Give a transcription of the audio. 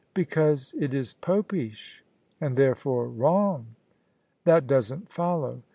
" Because it is Popish — ^and therefore wrong." "That doesn't follow.